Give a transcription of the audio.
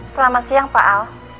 selamat siang pak al